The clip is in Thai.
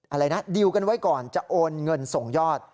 อะไรนะดิวกันไว้ก่อนจะโอนเงินส่งยอด